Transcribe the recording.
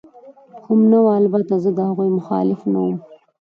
هم نه وه، البته زه د هغوی مخالف نه ووم.